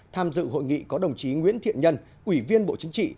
tham dự hội nghị có đồng chí nguyễn thiện nhân ủy viên bộ chính trị